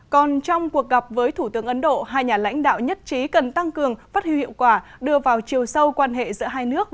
còn trong cuộc gặp với thủ tướng ấn độ hai nhà lãnh đạo nhất trí cần tăng cường phát hưu hiệu quả đưa vào chiều sâu quan hệ giữa hai nước